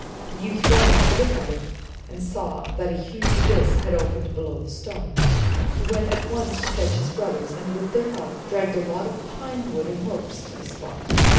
The youth ran to look at it and saw that a huge abyss had opened below the stone. He went at once to fetch his brothers, and with their help dragged a lot of pine wood and ropes to the spot.